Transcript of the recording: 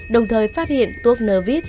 đồng thời phát hiện tuốc nơ vít